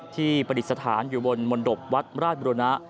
ประดิษฐานอยู่บนมนตบวัดราชบุรณะ